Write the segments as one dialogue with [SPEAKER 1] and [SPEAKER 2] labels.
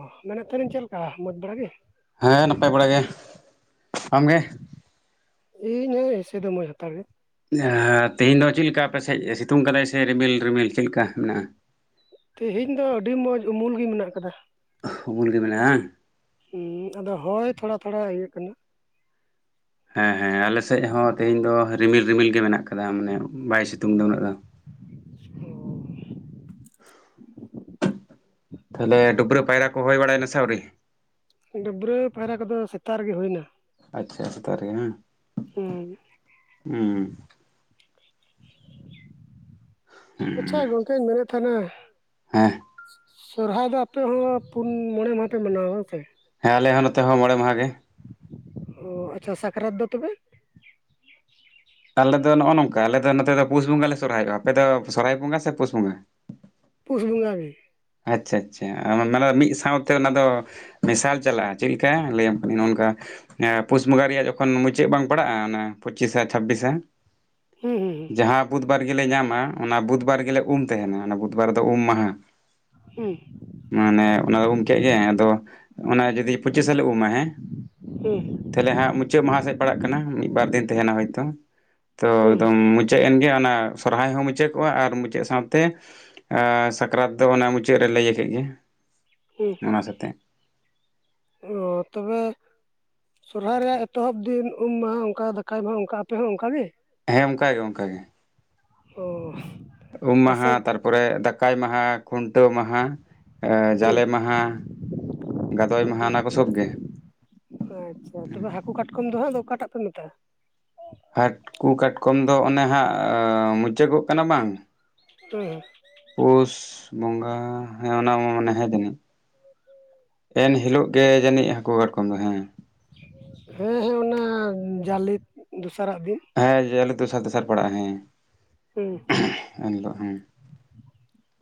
[SPEAKER 1] ᱚ ᱢᱮᱱᱮᱛ ᱛᱟᱦᱮ [unintelligible] ᱪᱮᱞ ᱟᱦ ᱢᱚᱪ ᱵᱟᱲᱟ ᱜᱮᱼᱼ
[SPEAKER 2] ᱦᱮᱸ ᱱᱟᱯᱟᱭ ᱵᱟᱲᱟ ᱜᱮ ᱟᱢᱜᱮ?
[SPEAKER 1] ᱤᱧ ᱦᱚᱸ ᱮᱥᱮ ᱫᱚ ᱢᱚᱡ ᱦᱟᱛᱟᱲ ᱜᱮ᱾
[SPEAKER 2] [unintelligible] ᱛᱮᱦᱮᱧ ᱫᱚ ᱪᱮᱞ ᱠᱟ ᱟᱯᱮ ᱥᱮᱪ ᱥᱤᱛᱩᱝ ᱠᱟᱫᱟᱭ ᱥᱮ ᱨᱤᱢᱤᱞ ᱨᱤᱢᱤᱞ ᱪᱮᱞ ᱠᱟ ᱢᱮᱱᱟᱜᱼᱟ
[SPEAKER 1] ᱛᱮᱦᱮᱧ ᱫᱚ ᱟᱹᱰᱤ ᱢᱚᱸᱡᱽ ᱩᱢᱩᱞ ᱜᱮ ᱢᱤᱱᱟᱜ ᱠᱟᱫᱟ
[SPEAKER 2] ᱩᱢᱩᱞ ᱜᱮ ᱢᱤᱱᱟᱜᱼᱟ
[SPEAKER 1] ᱩᱢ ᱟᱫᱚ ᱦᱚᱭ ᱛᱷᱚᱲᱟ ᱛᱷᱚᱲᱟ ᱤᱭᱟᱹᱜ ᱠᱟᱱᱟ
[SPEAKER 2] ᱦᱮᱸ ᱦᱮᱸ ᱟᱞᱮ ᱥᱮᱪ ᱦᱚᱸ ᱛᱮᱦᱮᱧ ᱫᱚ ᱨᱤᱢᱤᱞ ᱨᱤᱢᱤᱞ ᱜᱮ ᱢᱮᱱᱟᱜ ᱠᱟᱫᱟ ᱢᱟᱱᱮ ᱵᱟᱭ ᱥᱤᱛᱩᱝ ᱫᱚ ᱩᱱᱟᱹᱜ ᱫᱚᱼᱼ
[SPEAKER 1] ᱚᱻ
[SPEAKER 2] ᱛᱷᱟᱞᱮ ᱰᱟᱹᱵᱽᱨᱟᱹ ᱯᱟᱭᱨᱟ ᱠᱚ ᱦᱚᱭ ᱵᱟᱲᱟᱭ ᱱᱟ ᱥᱮ ᱟᱣᱨᱤ
[SPEAKER 1] ᱰᱟᱹᱵᱽᱨᱟᱹ ᱯᱟᱭᱨᱟ ᱠᱚ ᱫᱚ ᱥᱮᱛᱟᱜ ᱨᱮ ᱜᱮ ᱦᱳᱭ ᱮᱱᱟ
[SPEAKER 2] ᱟᱪᱪᱷᱟ ᱥᱮᱛᱟᱜ ᱨᱮ ᱜᱮ ᱦᱩᱸ
[SPEAKER 1] ᱩᱸ
[SPEAKER 2] ᱦᱩᱸ
[SPEAKER 1] ᱟᱪᱪᱷᱟ ᱜᱚᱝᱠᱮᱧ ᱢᱮᱱᱮᱫ ᱛᱟᱦᱮᱱᱟ
[SPEAKER 2] ᱦᱮᱸ
[SPEAKER 1] [unintelligible] ᱥᱚᱨᱦᱟᱭ ᱫᱚ ᱟᱯᱮ ᱦᱚᱸ ᱯᱩᱱ ᱢᱚᱬᱮ ᱢᱟᱦᱟ ᱯᱮ ᱢᱟᱱᱟᱣᱟ ᱵᱟᱝ ᱥᱮ
[SPEAKER 2] ᱦᱮᱸ ᱟᱞᱮ ᱦᱚᱸ ᱱᱚᱛᱮ ᱦᱚᱸ ᱢᱚᱬᱮ ᱢᱟᱦᱟ ᱜᱮ᱾
[SPEAKER 1] ᱚ ᱟᱪᱪᱷᱟ ᱥᱟᱠᱨᱟᱛ ᱫᱚ ᱛᱚᱵᱮ?
[SPEAKER 2] ᱟᱞᱮ ᱫᱚ ᱱᱚᱜ-ᱚ ᱱᱚᱝᱠᱟ ᱟᱞᱮ ᱫᱚ ᱱᱚᱛᱮ ᱫᱚ ᱯᱩᱥ ᱵᱚᱸᱜᱟ ᱞᱮ ᱥᱚᱨᱦᱟᱭᱚᱜ-ᱟ, ᱟᱯᱮ ᱫᱚ ᱥᱚᱨᱚᱦᱟᱭ ᱵᱚᱸᱜᱟ ᱥᱮ ᱯᱩᱥ ᱵᱚᱸᱜᱟ?
[SPEAKER 1] ᱯᱩᱥ ᱵᱚᱝᱜᱟ ᱜᱮ᱾
[SPEAKER 2] ᱟᱪᱪᱷᱟ ᱟᱪᱪᱷᱟ ᱟ ᱚᱱᱟ ᱫᱚ ᱢᱤᱜ ᱥᱟᱶ ᱛᱮ ᱚᱱᱟ ᱫᱚ ᱢᱮᱥᱟᱞ ᱪᱟᱞᱟᱜ-ᱟ᱾ ᱪᱮᱜ ᱞᱮᱠᱟ ᱞᱟᱹᱭᱟᱢ ᱠᱟᱹᱱᱟᱹᱧ ᱱᱚᱱᱠᱟ᱾ ᱮᱸ ᱯᱩᱥ ᱵᱚᱸᱜᱟ ᱨᱮᱭᱟᱜ ᱡᱚᱠᱷᱚᱱ ᱢᱩᱪᱟᱹᱜ ᱵᱟᱝ ᱯᱟᱲᱟᱜ-ᱟ ᱚᱱᱟ ᱯᱚᱪᱤᱥᱟ ᱪᱷᱟᱵᱽᱵᱤᱥᱟᱼᱼ
[SPEAKER 1] ᱦᱩᱸ ᱦᱩᱸ
[SPEAKER 2] ᱡᱟᱦᱟᱸ ᱵᱩᱫᱽᱵᱟᱨ ᱜᱮᱞᱮ ᱧᱟᱢᱟ ᱚᱱᱟ ᱵᱩᱫᱽᱵᱟᱨ ᱜᱮᱞᱮ ᱩᱢ ᱛᱮᱦᱮᱱᱟ ᱚᱱᱟ ᱵᱩᱫᱽᱵᱟᱨ ᱨᱮ ᱫᱚ ᱩᱢ ᱢᱟᱦᱟᱸ᱾
[SPEAKER 1] ᱦᱮᱸ
[SPEAKER 2] ᱢᱟᱱᱮ ᱚᱱᱟ ᱫᱚ ᱩᱢ ᱠᱮᱜ ᱜᱮ ᱟᱫᱚ ᱚᱱᱟ ᱡᱩᱫᱤ ᱯᱚᱪᱤᱥᱟ ᱞᱮ ᱩᱢᱟ ᱦᱮᱸ᱾
[SPEAKER 1] ᱦᱩᱸ
[SPEAKER 2] ᱛᱟᱞᱮ ᱦᱟᱸᱜ ᱢᱩᱪᱟᱹᱜ ᱢᱟᱦᱟᱸ ᱥᱮᱜ ᱯᱟᱲᱟᱜ ᱠᱟᱱᱟ ᱢᱤᱫᱼᱵᱟᱨ ᱫᱤᱱ ᱛᱮᱦᱮᱱᱟ ᱦᱳᱭᱛᱚ ᱛᱚ
[SPEAKER 1] ᱦᱩᱸ
[SPEAKER 2] ᱮᱠᱫᱚᱢ ᱢᱩᱡᱼᱼ ᱪᱟᱹᱜ ᱮᱱ ᱜᱮ ᱚᱱᱟ ᱥᱚᱨᱦᱟᱭ ᱦᱚᱸ ᱢᱩᱪᱟᱹᱠᱚᱜ-ᱟ ᱟᱨ ᱢᱩᱪᱟᱹᱜ ᱥᱟᱶᱛᱮ ᱟᱻ ᱥᱟᱠᱨᱟᱛ ᱫᱚ ᱚᱱᱟ ᱢᱩᱪᱼᱼ ᱪᱟᱹᱜ ᱨᱮᱞᱮ‌ ᱤᱭᱟᱹ ᱠᱮᱜ ᱜᱮ᱾
[SPEAKER 1] ᱦᱩᱸ
[SPEAKER 2] ᱚᱱᱟ ᱥᱟᱛᱮᱜ
[SPEAKER 1] ᱚ ᱛᱚᱵᱮᱼᱼ ᱥᱚᱨᱦᱟᱭ ᱨᱮᱭᱟᱜ ᱮᱛᱚᱦᱚᱵ ᱫᱤᱱ ᱩᱢ ᱢᱟᱦᱟᱸ ᱚᱱᱠᱟ ᱫᱟᱠᱟᱭ ᱢᱟᱦᱟ ᱚᱱᱠᱟ ᱟᱯᱮ ᱦᱚᱸ ᱚᱱᱠᱟ ᱜᱤ᱾
[SPEAKER 2] ᱦᱮᱸ ᱚᱱᱠᱟ ᱜᱮ ᱚᱱᱠᱟ ᱜᱮ᱾
[SPEAKER 1] ᱳᱻ
[SPEAKER 2] ᱩᱢ ᱢᱟᱦᱟᱸ ᱛᱟᱨᱯᱚᱨᱮ ᱫᱟᱠᱟᱭ ᱢᱟᱦᱟᱸ ᱠᱷᱩᱱᱴᱟᱹᱣ ᱢᱟᱦᱟ᱾ ᱟ
[SPEAKER 1] ᱦᱩᱸ
[SPEAKER 2] ᱡᱟᱞᱮ ᱢᱟᱦᱟᱸ ᱜᱟᱫᱚᱭ ᱢᱟᱦᱟᱸ ᱚᱱᱟ ᱠᱚ ᱥᱚᱵᱽ ᱜᱮ᱾
[SPEAKER 1] ᱟᱸᱪᱪᱷᱟ ᱛᱚᱵᱮ ᱦᱟᱠᱩ ᱠᱟᱴᱠᱚᱢ ᱫᱚ ᱦᱟᱸᱜ ᱚᱠᱟ ᱴᱟᱜ ᱯᱮ ᱢᱮᱛᱟᱜ-ᱟ?
[SPEAKER 2] ᱦᱟᱹᱠᱩ ᱠᱟᱴᱠᱚᱢ ᱫᱚ ᱚᱱᱮ ᱦᱟᱸᱜ ᱚᱻ ᱢᱩᱪᱟᱹᱜᱚᱜ ᱠᱟᱱᱟ ᱵᱟᱝᱼᱼ
[SPEAKER 1] [unintelligible]
[SPEAKER 2] ᱯᱩᱥ ᱵᱚᱸᱜᱟ ᱦᱮᱸ ᱚᱱᱟ ᱢᱟᱱᱮ ᱦᱮ [unintelligible] ᱮᱱ ᱦᱤᱞᱳᱜ ᱜᱮ ᱡᱟᱹᱱᱤᱡ ᱦᱟᱹᱠᱩ ᱠᱟᱴᱠᱚᱢ ᱫᱚ ᱦᱮᱸ᱾
[SPEAKER 1] ᱦᱮᱸ ᱦᱮᱸ ᱚᱱᱟ ᱡᱟᱞᱤ ᱫᱚᱥᱟᱨᱟᱜ ᱫᱤᱱ᱾
[SPEAKER 2] ᱦᱮᱸ ᱡᱟᱞᱤ ᱫᱚᱥᱟᱨ ᱫᱚᱥᱟᱨ ᱯᱟᱲᱟᱜ-ᱟ ᱦᱮᱸ᱾
[SPEAKER 1] ᱦᱩᱸ᱾
[SPEAKER 2] ᱷᱮᱸᱦ, ᱮᱱ ᱞᱳᱜ, ᱦᱮᱸ᱾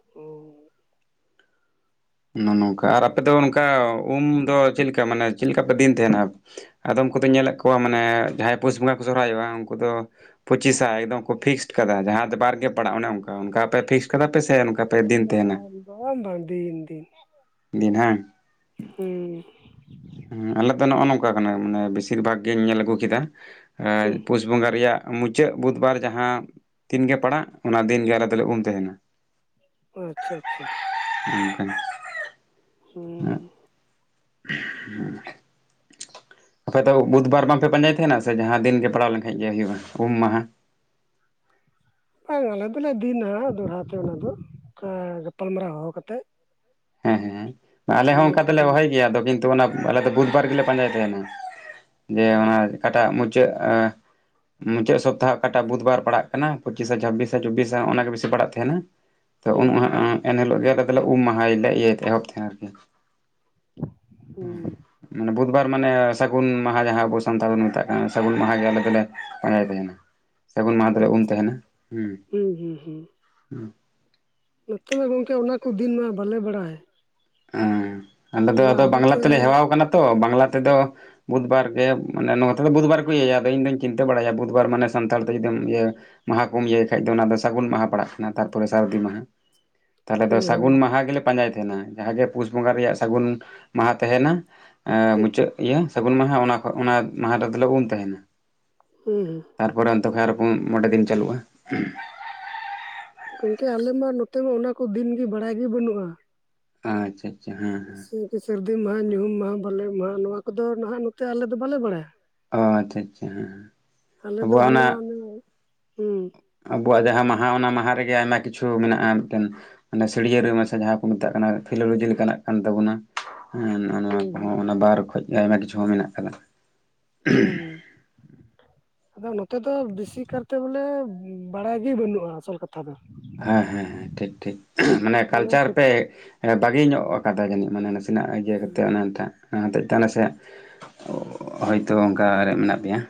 [SPEAKER 1] ᱳᱣ ᱾
[SPEAKER 2] ᱱᱚ ᱱᱚᱝᱠᱟ ᱟᱨ ᱟᱯᱮ ᱫᱚ ᱱᱚᱝᱠᱟ ᱩᱢ ᱫᱚ ᱪᱮᱜ ᱞᱮᱠᱟ ᱢᱟᱱᱮ ᱪᱮᱜ ᱞᱮᱠᱟ ᱯᱮ ᱫᱤᱱ ᱛᱟᱦᱮᱱᱟ? ᱟᱫᱚᱢ ᱠᱚ ᱫᱩᱧ ᱧᱮᱞᱮᱜ ᱠᱚᱣᱟ ᱢᱟᱱᱮ ᱡᱟᱦᱟᱸᱭ ᱯᱩᱥ ᱵᱚᱸᱜᱟ ᱠᱚ ᱥᱚᱨᱦᱟᱭᱚᱜ-ᱟ ᱩᱱᱠᱩ ᱫᱚᱼᱼ ᱯᱚᱪᱤᱥᱟ ᱮᱠᱫᱚᱢ ᱠᱚ ᱯᱷᱤᱠᱥᱴ ᱠᱟᱫᱟ ᱡᱟᱦᱟᱸ ᱵᱟᱨ ᱜᱮ ᱯᱟᱲᱟᱜ-ᱟ ᱚᱱᱮ ᱚᱱᱠᱟ ᱚᱱᱠᱟ ᱾ ᱟᱯᱮ ᱯᱷᱤᱠᱥ ᱠᱟᱫᱟ ᱯᱮ ᱥᱮ ᱚᱱᱠᱟ ᱯᱮ ᱫᱤᱱ ᱛᱮᱦᱮᱱᱟ ᱾
[SPEAKER 1] ᱱᱚᱜ-ᱚᱭ ᱵᱟᱝ ᱫᱤᱱ ᱫᱤᱱ
[SPEAKER 2] ᱫᱤᱱ ᱦᱟᱝ ᱾
[SPEAKER 1] ᱦᱩᱸᱻ ᱾
[SPEAKER 2] ᱦᱩᱸ ᱟᱞᱮ ᱫᱚ ᱱᱚᱜ-ᱚ ᱱᱚᱝᱠᱟ ᱠᱟᱱᱟ ᱢᱟᱱᱮ ᱵᱤᱥᱤᱨ ᱵᱷᱟᱜᱽ ᱜᱤᱧ ᱧᱮᱞ ᱟᱹᱜᱩ ᱠᱮᱫᱟ ᱮ
[SPEAKER 1] ᱦᱩᱸ
[SPEAKER 2] ᱯᱩᱥ ᱵᱚᱸᱜᱟ ᱨᱮᱭᱟᱜᱼᱼ ᱢᱩᱪᱟᱹᱜ ᱵᱩᱫᱽᱵᱟᱨ ᱡᱟᱦᱟᱸ ᱫᱤᱱ ᱜᱮ ᱯᱟᱲᱟᱜ ᱚᱱᱟ ᱫᱤᱱ ᱜᱮ ᱟᱞᱮ ᱫᱚᱞᱮ ᱩᱢ ᱛᱮᱦᱮᱱᱟ ᱾
[SPEAKER 1] ᱟᱪ-ᱪᱷᱟ ᱟᱪ-ᱪᱷᱟ ᱾
[SPEAKER 2] ᱠᱩ-ᱠᱩᱲ-ᱠᱩᱫ-ᱠᱩᱠ-ᱠᱩ, ᱚᱱ ᱠᱟᱱ ᱾
[SPEAKER 1] ᱥᱩᱸᱝ ᱾
[SPEAKER 2] ᱴᱷᱤᱝᱼᱤᱝ-ᱤᱝ-ᱴᱦᱚᱜ ᱾ [unintelligible] ᱢᱪᱮᱜ, ᱟᱯᱮ ᱫᱚ ᱵᱩᱫᱽᱵᱟᱨ ᱵᱟᱝ ᱯᱮ ᱯᱟᱸᱡᱟᱭ ᱛᱮᱦᱮᱱᱟ ᱥᱮ ᱡᱟᱦᱟᱸ ᱫᱤᱱ ᱜᱮ ᱯᱟᱲᱟᱣ ᱞᱮᱱᱠᱷᱟᱡ ᱜᱮ ᱦᱳᱭᱳᱜ-ᱟ ᱩᱢ ᱢᱟᱦᱟᱸ?
[SPEAKER 1] ᱟᱨ ᱟᱞᱮ ᱫᱚᱞᱮ ᱫᱤᱱ ᱱᱟᱦᱟᱸᱜ ᱫᱚᱲᱦᱟ ᱛᱮ ᱚᱱᱟ ᱫᱚ ᱮᱸ ᱜᱟᱯᱟᱞᱢᱟᱨᱟᱣ ᱦᱚᱦᱚ ᱠᱟᱛᱮᱜ ᱾
[SPEAKER 2] ᱦᱮᱸ ᱦᱮᱸ, ᱟᱞᱮ ᱦᱚᱸ ᱚᱱᱠᱟ
[SPEAKER 1] ᱠᱚ
[SPEAKER 2] ᱛᱚᱞᱮ
[SPEAKER 1] ᱫᱤᱱ
[SPEAKER 2] ᱦᱚᱦᱚᱭ ᱜᱮᱭᱟ ᱟᱫᱚ ᱠᱤᱱᱼᱼ ᱛᱚ ᱚᱱᱟ ᱟᱞᱮ ᱫᱚ ᱵᱩᱫᱽᱵᱟᱨ ᱜᱤᱞᱮ ᱯᱟᱸᱡᱟᱭ ᱛᱮᱦᱮᱱᱟ ᱡᱮ
[SPEAKER 1] ᱚ
[SPEAKER 2] ᱚᱱᱟ ᱚᱠᱟ ᱴᱟᱜ ᱢᱩᱪᱟᱹᱜ ᱟ ᱢᱩᱪᱟᱹᱜ ᱥᱚᱯᱛᱟᱦ ᱚᱠᱟ ᱴᱟᱜ ᱵᱩᱫᱽᱵᱟᱨ ᱯᱟᱲᱟᱜ ᱠᱟᱱᱟ ᱯᱚᱪᱤᱥᱟ ᱪᱷᱟᱵᱤᱥᱟ ᱪᱚᱵᱽᱵᱤᱥᱟ ᱦᱚᱜ-ᱚᱱᱟ ᱜᱮ ᱵᱮᱥᱤ ᱯᱟᱲᱟᱜ ᱛᱮᱦᱮᱱᱟ᱾
[SPEAKER 1] ᱯᱷᱟᱸᱠᱟ ᱜᱮᱭᱟ ᱾
[SPEAKER 2] ᱛᱚ ᱩᱱ ᱩᱱᱟᱹᱜ ᱻ ᱮᱱ ᱦᱤᱞᱳᱜ ᱜᱮ ᱟᱞᱮ ᱫᱚᱞᱮ ᱩᱢ ᱢᱟᱦᱟᱭ ᱞᱮ ᱤᱭᱟᱹᱭ ᱛᱮ ᱮᱦᱚᱵ ᱛᱮᱦᱮ ᱟᱨᱠᱤ ᱾
[SPEAKER 1] ᱴᱷᱚᱜ-ᱩᱸ-ᱴᱷᱚᱜ ᱾
[SPEAKER 2] ᱵᱩᱫᱷᱵᱟᱨ ᱢᱟᱱᱮ ᱥᱟᱹᱜᱩᱱ ᱢᱟᱦᱟᱸ ᱟᱵᱚ ᱥᱟᱱᱛᱟᱲ ᱵᱚᱱ ᱢᱮᱛᱟᱜ ᱠᱟᱱ ᱥᱟᱹᱜᱩᱱ ᱢᱟᱦᱟᱸ ᱟᱞᱮ ᱫᱚᱞᱮ ᱯᱟᱸᱡᱟᱭ ᱛᱟᱸᱦᱮᱱᱟ ᱾
[SPEAKER 1] ᱟᱪ-ᱪᱷᱟ, ᱦᱩᱸ- ᱦᱩᱸ -ᱦᱩᱸ ᱾
[SPEAKER 2] ᱦᱩᱸ ᱾
[SPEAKER 1] ᱱᱚᱛᱮ ᱢᱟ ᱜᱚᱝᱠᱮ ᱚᱱᱟᱠᱚ ᱫᱤᱱ ᱢᱟ ᱵᱟᱞᱮ ᱵᱟᱲᱟᱭ ᱾
[SPEAKER 2] ᱮᱸ ᱟᱞᱮ ᱫᱚ ᱟᱫᱚ ᱵᱟᱝᱞᱟ
[SPEAKER 1] ᱟᱵᱚᱛᱮ
[SPEAKER 2] ᱛᱮᱞᱮ ᱦᱮᱣᱟᱣ ᱠᱟᱱᱟ ᱛᱚ ᱵᱟᱝᱞᱟ ᱛᱮᱫᱚ ᱵᱩᱫᱵᱟᱨ ᱜᱮ ᱢᱟᱱᱮ ᱱᱚᱣᱟ ᱛᱚ ᱵᱩᱫᱷᱵᱟᱨ ᱠᱚ ᱤᱭᱟᱹᱭᱟ ᱟᱫᱚ ᱤᱧᱫᱚᱧ ᱪᱤᱱᱛᱟᱹ ᱵᱟᱲᱟᱭᱟ ᱵᱩᱫᱷᱵᱟᱨ ᱢᱟᱱᱮ ᱥᱟᱱᱛᱟᱲ ᱛᱮ ᱡᱩᱫᱤᱢ ᱤᱭᱟᱹ ᱢᱟᱦᱟ ᱠᱚᱢ ᱤᱭᱟᱹᱭ ᱠᱷᱟᱡ ᱫᱚ ᱚᱱᱟ ᱫᱚ ᱥᱟᱹᱜᱩᱱ ᱢᱟᱦᱟ ᱯᱟᱲᱟᱜ ᱠᱟᱱᱟ ᱛᱟᱨᱯᱚᱨᱮ ᱥᱟᱨᱫᱤ ᱢᱟᱦᱟ ᱾ ᱛᱟᱞᱦᱮ ᱫᱚ
[SPEAKER 1] ᱦᱮᱸ ᱦᱮᱸ
[SPEAKER 2] ᱥᱟᱹᱜᱩᱱ ᱢᱟᱦᱟᱸ ᱜᱮᱞᱮ ᱯᱟᱸᱡᱟᱭ ᱛᱟᱸᱦᱮᱱᱟ ᱡᱟᱦᱟᱸ ᱜᱮ ᱯᱩᱥ ᱵᱚᱸᱜᱟ ᱨᱮᱭᱟᱜ ᱥᱟᱹᱜᱩᱱ ᱢᱟᱦᱟᱸ ᱛᱟᱦᱮᱸᱱᱟ ᱮᱸᱜ
[SPEAKER 1] ᱦᱮᱸ
[SPEAKER 2] ᱢᱩᱪᱟᱹᱫ ᱤᱭᱟᱹ ᱥᱟᱹᱜᱩᱱ ᱢᱟᱦᱟᱸ ᱚᱱᱟ ᱢᱟᱦᱟᱸ ᱨᱮᱫᱚᱞᱮ ᱩᱢ ᱛᱟᱸᱦᱮᱱᱟ ᱾
[SPEAKER 1] ᱦᱩᱸ- ᱦᱩᱸ ᱾
[SPEAKER 2] ᱛᱟᱨᱯᱚᱨᱮ ᱚᱱᱛᱮ ᱠᱷᱚᱱ ᱟᱨᱚ ᱯᱳᱱ-ᱢᱚᱬᱮ ᱫᱤᱱ ᱪᱟᱹᱞᱩᱜᱼᱟ ᱾
[SPEAKER 1] ᱜᱚᱝᱠᱮ ᱟᱞᱮ ᱢᱟ ᱱᱚᱛᱮ ᱢᱟ ᱚᱱᱟ ᱠᱚ ᱫᱤᱱ ᱜᱮ ᱵᱟᱲᱟᱭ ᱜᱮ ᱵᱟᱹᱱᱩᱜᱼᱟ ᱾
[SPEAKER 2] ᱟᱪ-ᱪᱷᱟ ᱾
[SPEAKER 1] ᱥᱮ ᱥᱟᱹᱨᱫᱤ ᱢᱟᱦᱟᱸ ᱧᱩᱦᱩᱢ ᱢᱟᱦᱟᱸ ᱵᱟᱞᱮ ᱢᱟᱦᱟᱸ ᱱᱚᱣᱟ ᱠᱚᱫᱚ ᱱᱟᱦᱟᱜ ᱱᱚᱛᱮ ᱟᱞᱮ ᱫᱚ ᱵᱟᱞᱮ ᱵᱟᱲᱟᱭᱟ
[SPEAKER 2] ᱚ ᱟᱪᱪᱷᱟ ᱟᱪᱪᱷᱟ ᱦᱮᱸ ᱦᱮᱸ
[SPEAKER 1] ᱾ ᱟᱞᱮ ᱫᱚ
[SPEAKER 2] ᱟᱵᱚᱣᱟᱜ
[SPEAKER 1] ᱦᱟᱱᱟ-ᱢᱢ, ᱩᱸᱦ ᱾
[SPEAKER 2] ᱟᱵᱚᱣᱼᱟᱜ ᱡᱟᱦᱟᱸ ᱢᱟᱦᱟᱸ ᱚᱱᱟ ᱢᱟᱦᱟᱸ ᱨᱮᱜᱮ ᱟᱭᱢᱟ ᱠᱤᱪᱷᱩ ᱢᱮᱱᱟᱜᱼᱟ ᱢᱤᱫᱴᱮᱱ, ᱢᱟᱱᱮ ᱥᱟᱹᱲᱭᱟᱹᱨᱮ ᱢᱮᱥᱟ ᱡᱟᱦᱟᱸ ᱠᱚ ᱢᱮᱛᱟᱜ ᱠᱟᱱᱟ ᱯᱷᱤᱞᱳᱞᱚᱡᱤ ᱞᱮᱠᱟᱱᱼᱟᱜ ᱠᱟᱱ ᱛᱟᱵᱚᱱᱟ ᱾ ᱱᱚᱜ ᱚ ᱱᱚᱣᱟ
[SPEAKER 1] ᱦᱩᱸ
[SPEAKER 2] ᱠᱚᱦᱚᱸ ᱚᱱᱟ ᱵᱟᱨ ᱠᱷᱚᱡ ᱜᱮ ᱟᱭᱢᱟ ᱠᱤᱪᱷᱩ ᱢᱮᱱᱟᱜ ᱠᱟᱫᱟ ᱾
[SPEAKER 1] ᱦᱩᱸ ᱾ ᱟᱫᱚ ᱱᱚᱛᱮ ᱫᱚ ᱵᱤᱥᱤ ᱠᱟᱨᱛᱮ ᱵᱚᱞᱮ ᱵᱟᱲᱟᱭ ᱜᱮ ᱵᱟᱹᱱᱩᱜᱼᱟ ᱟᱥᱚᱞ ᱠᱟᱛᱷ ᱠᱟᱛᱷᱟ ᱫᱚ ᱾
[SPEAKER 2] ᱦᱮᱸ- ᱦᱮᱸ -ᱦᱮᱸ ᱴᱷᱤᱠ -ᱴᱷᱤᱠ ᱷᱮᱦ ᱢᱟᱱᱮ
[SPEAKER 1] ᱚᱱᱟ
[SPEAKER 2] ᱠᱟᱞᱪᱟᱨ ᱯᱮ ᱵᱟᱹᱜᱤ ᱧᱚᱜ ᱟᱠᱟᱫᱟ ᱡᱟᱹᱱᱤᱡ ᱢᱟᱱᱮ ᱱᱟᱜ ᱤᱭᱟᱹ ᱠᱟᱛᱮ ᱚᱱᱟ ᱴᱟᱜ ᱚᱱᱟ ᱦᱚᱛᱮᱡ ᱛᱮ ᱱᱟᱥᱮ ᱦᱳᱭᱛᱳ ᱚᱝᱠᱟ ᱨᱮ ᱢᱮᱱᱟᱜ ᱯᱮᱭᱟ ᱾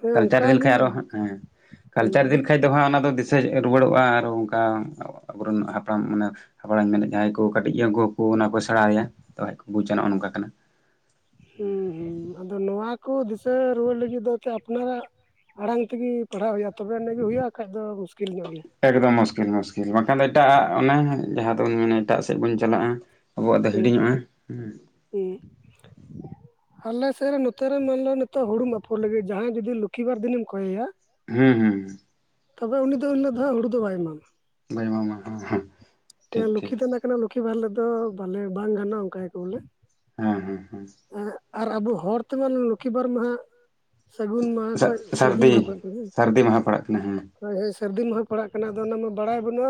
[SPEAKER 1] ᱦᱮᱸ
[SPEAKER 2] ᱠᱟᱞᱪᱟᱨ ᱤᱫᱤ
[SPEAKER 1] ᱚᱱᱠᱟᱜᱮ
[SPEAKER 2] ᱞᱮᱠᱷᱟᱡ ᱟᱨᱚ ᱦᱟᱸᱜ ᱦᱮᱸ, ᱠᱟᱞᱪᱟᱨ
[SPEAKER 1] ᱟᱫᱚ
[SPEAKER 2] ᱤᱫᱤ ᱞᱮᱠᱷᱟᱡ ᱫᱚ ᱦᱟᱸᱜ ᱚᱱᱟ ᱫᱚ ᱫᱤᱥᱟᱹ ᱨᱩᱣᱟᱹᱲᱚᱜᱼᱟ ᱟᱨ ᱚᱝᱠᱟ ᱟᱵᱚᱨᱮᱱ ᱦᱟᱯᱲᱟᱢ ᱢᱟᱱᱮ ᱟᱵᱚ ᱨᱮᱱ ᱢᱮᱱ ᱱᱮᱜ ᱡᱟᱦᱟᱸᱭ ᱠᱚ ᱠᱟᱹᱴᱤᱡ ᱜᱮᱭᱟ ᱩᱝᱠᱩ ᱦᱚᱸᱠᱚ ᱚᱱᱟ ᱠᱚ ᱥᱮᱸᱬᱟ ᱤᱫᱤᱭᱟ ᱛᱚ ᱠᱷᱟᱡ ᱠᱚ ᱵᱩᱪᱟ ᱱᱚᱜᱼᱚ ᱱᱝᱠᱟ ᱠᱟᱱᱟ ᱾
[SPEAKER 1] ᱦᱩᱸ, ᱦᱩᱸ, ᱟᱫᱚ ᱱᱚᱣᱟ ᱠᱚ ᱫᱤᱥᱟᱹ ᱨᱩᱣᱟᱹᱨ ᱞᱟᱹᱜᱤᱫ ᱫᱚ ᱮᱱᱛᱮᱜ ᱟᱯᱱᱟᱨᱼᱟᱜ ᱟᱲᱟᱝ ᱛᱮᱜᱮ ᱯᱟᱲᱦᱟᱜ ᱦᱩᱭᱩᱜᱼᱟ ᱛᱚᱵᱮ ᱟᱹᱱᱤᱡ ᱜᱮ ᱦᱩᱭᱩᱜᱼᱟ ᱟᱨ ᱵᱟᱠᱷᱟᱡ ᱫᱚ ᱢᱩᱥᱠᱤᱞ ᱧᱚᱜ ᱜᱮᱭᱟ ᱾
[SPEAKER 2] ᱮᱠᱫᱚᱢ ᱢᱩᱥᱠᱤᱞ ᱢᱩᱥᱠᱤᱞ, ᱵᱟᱝᱠᱷᱟᱱ ᱫᱚ ᱮᱴᱟᱜ ᱟᱜ ᱚᱱᱟ ᱡᱟᱦᱟᱸ ᱫᱚᱵᱚᱱ ᱢᱮᱱᱟ ᱮᱴᱟᱜ ᱥᱮᱫ ᱵᱚᱱ ᱪᱟᱞᱟᱜᱼᱟ ᱾ ᱟᱵᱚᱣᱟᱜ ᱫᱚ ᱦᱤᱲᱤᱧᱚᱜᱼᱟ, ᱦᱩᱸ ᱾
[SPEAKER 1] ᱮᱸᱜ ᱾ ᱟᱞᱮ ᱥᱮᱜ ᱨᱮ ᱱᱚᱛᱮ ᱨᱮ ᱢᱟᱱᱞᱳ ᱱᱤᱛᱚᱜ ᱦᱩᱲᱩᱢ ᱟᱯᱷᱚᱨ ᱞᱟᱹᱜᱤᱫ ᱡᱟᱦᱟᱸᱭ ᱡᱩᱫᱤ ᱞᱚᱠᱠᱷᱤ ᱵᱟᱨ ᱫᱤᱱᱮᱢ ᱠᱷᱚᱭᱮᱭᱟ,
[SPEAKER 2] ᱦᱩᱸ ᱦᱩᱸ ᱦᱩᱸ ᱾
[SPEAKER 1] ᱛᱚᱵᱮ ᱩᱱᱤ ᱫᱚ ᱮᱱ ᱦᱤᱞᱳᱜ ᱫᱚ ᱦᱟᱸᱜ ᱦᱩᱲᱩ ᱫᱚ ᱵᱟᱭ ᱮᱢᱟᱢᱟ ᱾
[SPEAKER 2] ᱵᱟᱹᱭ ᱮᱢᱟᱢᱟ ᱦᱮᱸ ᱦᱮᱸ ᱴᱷᱤᱠ ᱴᱷᱤᱠ
[SPEAKER 1] ᱞᱚᱠᱠᱷᱤ
[SPEAKER 2] ᱾
[SPEAKER 1] ᱛᱟᱦᱮᱱᱟ ᱠᱟᱱᱟ ᱞᱚᱠᱠᱷᱤ ᱵᱟᱨ ᱦᱤᱞᱳᱜ ᱫᱚ ᱵᱟᱞᱮ ᱵᱟᱝ ᱜᱟᱱᱚᱜᱼᱟ ᱚᱝᱠᱟᱭᱟ ᱠᱚ ᱵᱚᱞᱮ ᱾
[SPEAKER 2] ᱦᱮᱸ ᱦᱮᱸ ᱦᱮᱸ ᱾
[SPEAKER 1] ᱮᱸᱜ ᱟᱨ ᱟᱵᱚ ᱦᱚᱲ ᱛᱮᱢᱟᱱ ᱞᱚ-ᱞᱚᱠᱠᱷᱤ ᱵᱟᱨ ᱢᱟᱦᱟᱸᱜ ᱥᱟᱹᱜᱩᱱ ᱢᱟᱦᱟ ᱠᱷᱚᱡ ᱥᱟᱨᱫᱤ
[SPEAKER 2] ᱥᱟᱹᱨᱫᱤ
[SPEAKER 1] ᱢᱟᱦᱟ ᱯᱟᱲᱟᱜ ᱠᱟᱱᱟ ᱾
[SPEAKER 2] ᱥᱟᱹᱨᱫᱤ ᱢᱟᱦᱟ ᱯᱟᱲᱟᱜ ᱠᱟᱱᱟ, ᱦᱮᱸ ᱾
[SPEAKER 1] ᱦᱳᱭ ᱦᱳᱭ ᱥᱟᱹᱨᱫᱤ ᱢᱟᱦᱟ ᱯᱟᱲᱟᱜ ᱠᱟᱱᱟ, ᱟᱫᱚ ᱚᱱᱟᱢᱟ ᱵᱟᱲᱟᱭ ᱵᱟᱹᱱᱩᱜᱼᱟ,